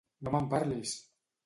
No me'n parlis!